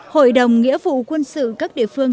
hội đồng nghĩa vụ quân sự các địa phương